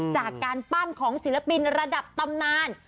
จากการปั้นของศิลปินระดับตำนาน